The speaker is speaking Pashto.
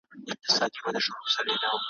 انتقام ته پاڅېدلی بیرغ غواړم ,